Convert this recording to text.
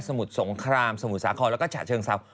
สมุดสงครามสมุดสาขอแล้วก็ฉาเชิงทรัพย์